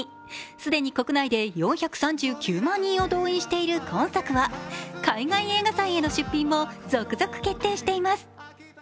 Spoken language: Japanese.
既に国内で４３９万人を動員している今作は海外映画祭へ出品も続々決定しています。